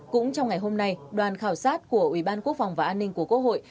cũng trong ngày hôm nay đoàn khảo sát của ủy ban quốc phòng và an ninh của quốc hội